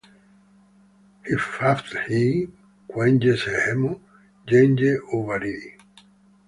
Hifadhi kwenye sehemu yenye ubaridi